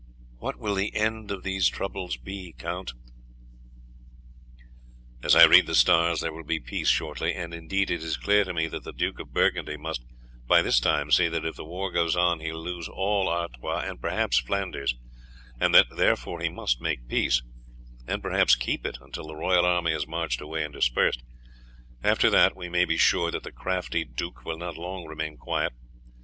"What will the end of these troubles be, Count?" "As I read the stars there will be peace shortly, and indeed it is clear to me that the Duke of Burgundy must by this time see that if the war goes on he will lose all Artois and perhaps Flanders, and that therefore he must make peace, and perhaps keep it until the royal army has marched away and dispersed; after that we may be sure that the crafty duke will not long remain quiet.